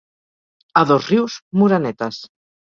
A Dosrius, morenetes.